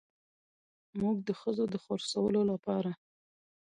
موږ د ښځو د خرڅولو لپاره